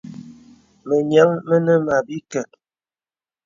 Mə nyāŋ mə nə mə̀ àbìkək.